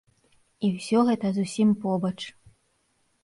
І ўсё гэта зусім побач.